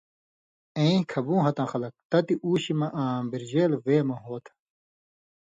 اېں (کھبُو ہتھاں خلک) تتیۡ اوشیۡ مہ آں بِرژېل وے مہ (ہوتھہ۔)